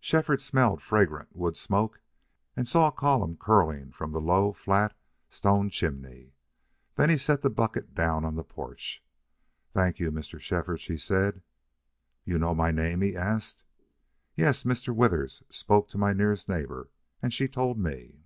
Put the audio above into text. Shefford smelled fragrant wood smoke and saw a column curling from the low, flat, stone chimney. Then he set the bucket down on the porch. "Thank you, Mr. Shefford," she said. "You know my name?" he asked. "Yes. Mr. Withers spoke to my nearest neighbor and she told me."